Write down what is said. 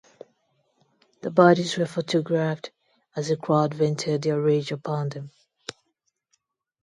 The bodies were photographed as a crowd vented their rage upon them.